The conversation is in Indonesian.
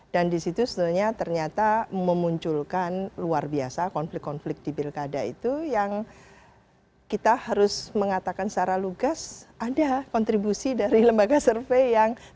dan di situ sebenarnya ternyata memunculkan luar biasa konflik konflik di pilkada itu yang kita harus mengatakan secara lugas ada kontribusi dari lembaga survei yang ternyata memang menggiring opini